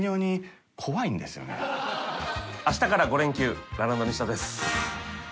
明日から５連休ラランドニシダです。